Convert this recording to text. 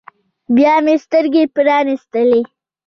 بيا مې سترګې پرانيستلې.